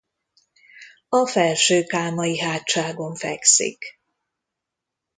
A Felső-kámai-hátságon fekszik.